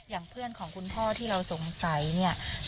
อย่างเพื่อนของคุณพ่อที่เราสงสัยเนี่ย